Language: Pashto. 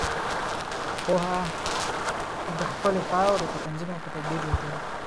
پوه د خپلې خاورې په تنظیم او په تدبیر یو ټول.